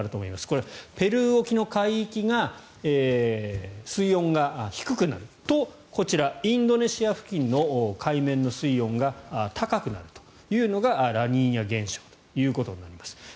これ、ペルー沖の海域が水温が低くなるとこちら、インドネシア付近の海面の水温が高くなるというのがラニーニャ現象ということになります。